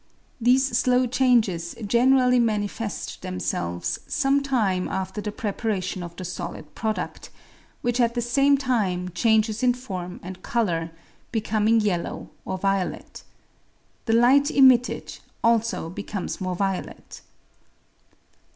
These slow changes generally manifest them selves some time after the preparation of the solid produd, which at the same time changes in form and colour, be coming yellow or violet. The light emitted also becomes more violet.